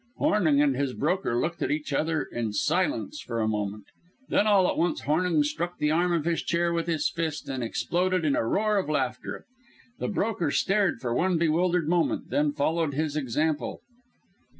Hornung and his broker looked at each other in silence for a moment. Then all at once Hornung struck the arm of his chair with his fist and exploded in a roar of laughter. The broker stared for one bewildered moment, then followed his example.